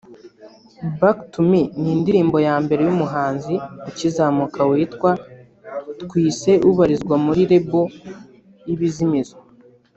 Back to me’ ni indirimbo ya mbere y'umuhanzi ukizamuka witwa T-wise ubarizwa muri Label y'Ibizimizo